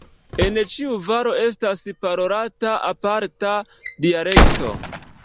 En ĉiu valo estas parolata aparta dialekto.